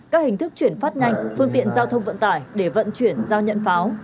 các hình thức chuyển phát nhanh phương tiện giao thông vận tải để vận chuyển giao nhận pháo